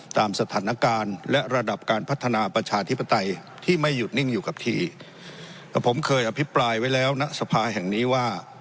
ตามสถานการณ์และระดับการพัฒนาประชาธิปไตยที่ไม่หยุดนิ่งอยู่กับทีแต่ผมเคยอภิปรายไว้แล้วณสภาแห่งนี้ว่า